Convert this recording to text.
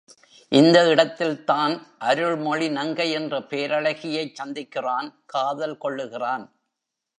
இந்த இடத்தில்தான் அருள் மொழி நங்கை என்ற பேரழகியைச் சந்திக்கிறான் காதல் கொள்ளுகிறான்.